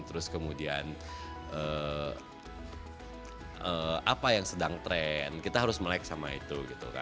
terus kemudian apa yang sedang tren kita harus melek sama itu